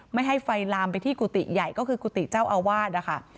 ไม่ให้ไฟลามไปที่กุฏิใหญ่ก็คือกุฏิเจ้าอาวาสนะคะ